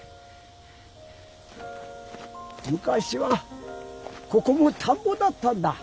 むかしはここもたんぼだったんだ。